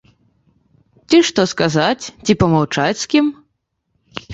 Ці што сказаць, ці памаўчаць з кім?